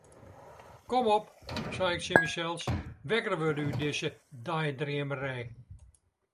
Kom op, sei ik tsjin mysels, wekker wurde út dizze deidreamerij.